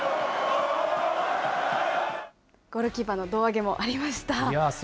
ゴールキーパーの胴上げもありました。